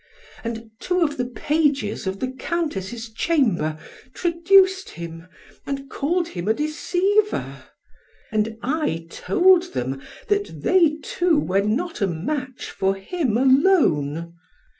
And two of the pages of the Countess's chamber, traduced him, and called him a deceiver. And I told them that they two were not a match for him alone.